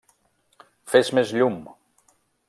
Fes més llum.